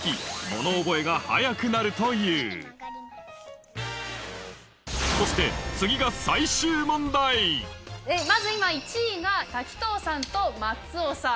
物覚えが早くなるというそして次がまず１位が滝藤さんと松尾さん。